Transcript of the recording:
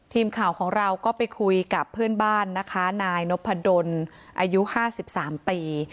ทีมข่าวของเราก็ไปคุยกับเพื่อนบ้านนะคะนายนพดลอายุ๕๓ปี